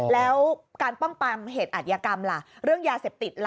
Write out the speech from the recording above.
แล้วการปั้มเหตุอาจยากรรมอะไรเรื่องยาเสพติดอะไร